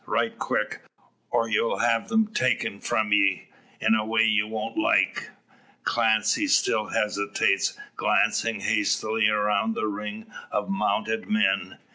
Right quick, or you'll have them taken from ye, in a way you won't like." Clancy still hesitates, glancing hastily around the ring of mounted men.